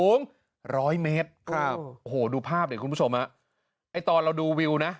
หูงร้อยเมตรครับโหดูภาพเดี๋ยวทุกคนทรงมาไอ้ตอนเราดูวิวนะ